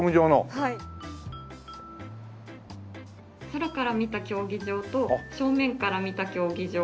空から見た競技場と正面から見た競技場。